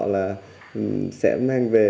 là sẽ mang về